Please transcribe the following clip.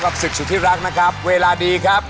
กับสิทธิ์ที่รักระครับ